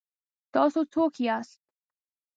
ـ تاسو څوک یاست؟